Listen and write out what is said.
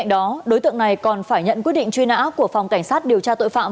đối tượng này còn phải nhận quyết định truy nã của phòng cảnh sát điều tra tội phạm